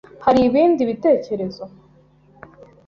Hari ibindi bitekerezo?